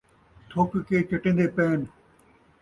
تھک کے چٹیندے پئین